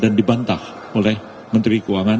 dan dibantah oleh menteri keuangan